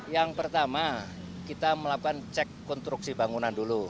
yang pertama kita melakukan cek konstruksi bangunan dulu